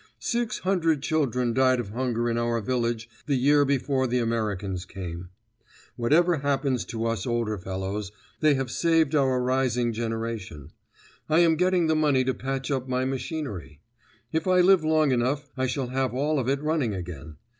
Six hundred children died of hunger in our village the year before the Americans came. Whatever happens to us older fellows, they have saved our rising generation. I am getting the money to patch up my machinery; if I live long enough, I shall have all of it running again.